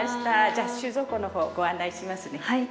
じゃ収蔵庫の方ご案内しますね。